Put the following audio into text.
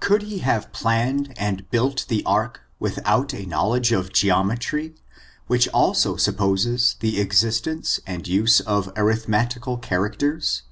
Could he have planned and built the ark without a knowledge of geometry^ which also supposes the existence and use of arithmetical characters